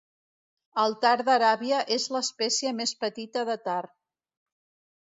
El tar d'Aràbia és l'espècie més petita de tar.